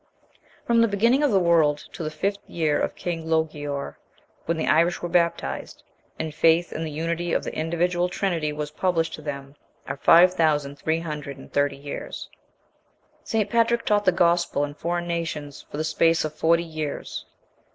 53. From the beginning of the world, to the fifth year of king Logiore, when the Irish were baptized, and faith in the unity of the individual Trinity was published to them, are five thousand three hundred and thirty years. 54. Saint Patrick taught the gospel in foreign nations for the space of forty years.